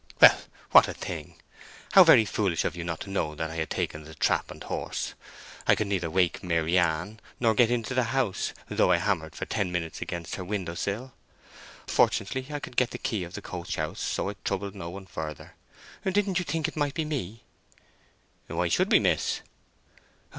"Well—what a thing! How very foolish of you not to know that I had taken the trap and horse. I could neither wake Maryann nor get into the house, though I hammered for ten minutes against her window sill. Fortunately, I could get the key of the coach house, so I troubled no one further. Didn't you think it might be me?" "Why should we, miss?"